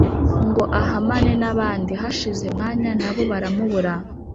Ngo ahamane n’abandi hashize umwanya nabo baramubura